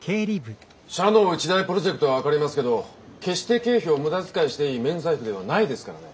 社の一大プロジェクトは分かりますけど決して経費を無駄遣いしていい免罪符ではないですからね。